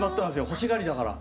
欲しがりだから。